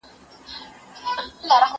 چي هر مړی ښخېدی همدا کیسه وه